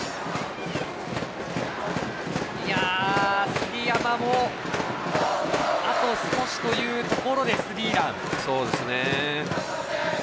杉山もあと少しというところでスリーラン。